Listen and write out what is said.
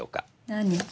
何？